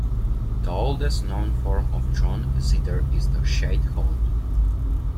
The oldest known form of drone zither is the Scheitholt.